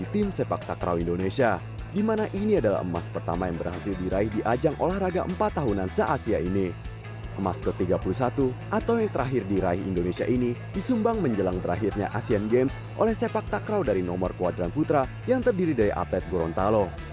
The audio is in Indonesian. tim sepak takraw yang baru datang ini pun langsung diarak keliling kota